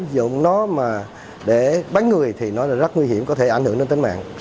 để bắn người thì nó rất nguy hiểm có thể ảnh hưởng đến tính mạng